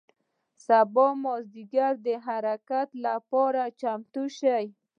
سبا مازدیګر د حرکت له پاره چمتو شئ.